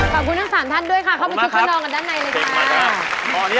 ขอบคุณทั้ง๓ท่านด้วยค่ะเข้าไปคุกข้านอนกันด้านในเลยค่ะ